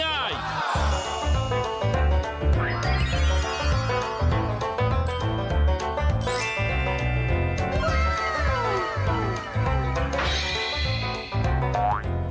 อาร์พิมพ์